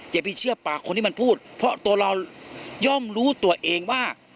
อย่าไปเชื่อปากคนที่มันพูดเพราะตัวเราย่อมรู้ตัวเองว่า